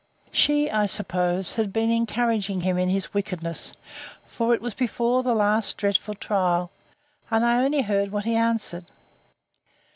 She, I suppose, had been encouraging him in his wickedness; for it was before the last dreadful trial: and I only heard what he answered.